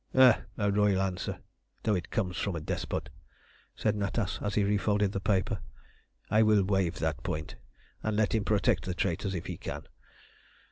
"A Royal answer, though it comes from a despot," said Natas as he refolded the paper. "I will waive that point, and let him protect the traitors, if he can.